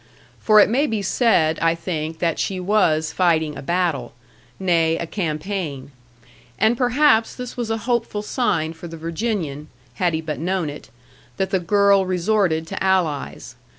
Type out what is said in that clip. For it may be said, I think, that she was fighting a battle nay, a campaign. And perhaps this was a hopeful sign for the Virginian (had he but known it), that the girl resorted to allies.